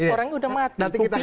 orangnya sudah mati